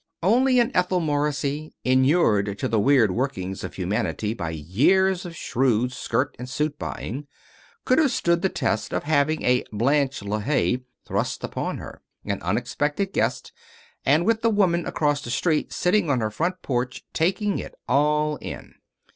Only an Ethel Morrissey, inured to the weird workings of humanity by years of shrewd skirt and suit buying, could have stood the test of having a Blanche LeHaye thrust upon her, an unexpected guest, and with the woman across the street sitting on her front porch taking it all in.